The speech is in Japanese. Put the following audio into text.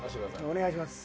お願いします。